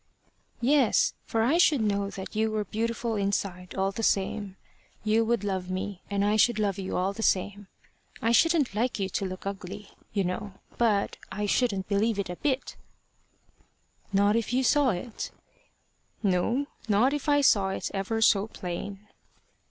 "Yes; for I should know that you were beautiful inside all the same. You would love me, and I should love you all the same. I shouldn't like you to look ugly, you know. But I shouldn't believe it a bit." "Not if you saw it?" "No, not if I saw it ever so plain."